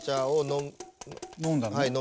飲んだの？